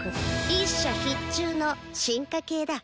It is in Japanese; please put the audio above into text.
「一射必中」の進化形だ。